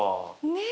ねえ。